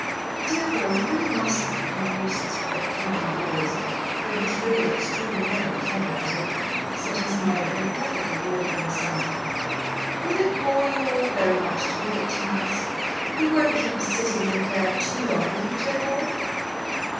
"Dear boy, you really mustn't become a nuisance with that camera of yours though he's really extraordinarily clever at it," said his mother, in a perfectly audible aside. "Would it bore you all very much to be victimized? You won't keep us sitting in the glare too long, will you, dear boy?"